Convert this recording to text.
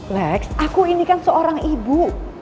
next aku ini kan seorang ibu